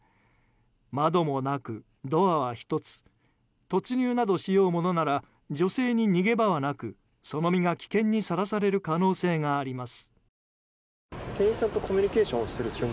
窓もなくドアは１つ突入をしようものなら女性に逃げ場はなくその身が危険にさらされる可能性があります。